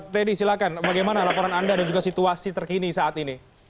teddy silakan bagaimana laporan anda dan juga situasi terkini saat ini